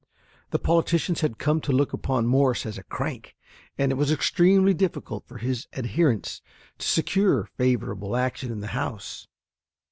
The politicians had come to look upon Morse as a crank, and it was extremely difficult for his adherents to secure favorable action in the House.